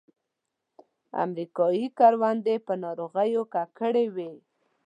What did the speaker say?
امریکایي کروندې په ناروغیو ککړې وې.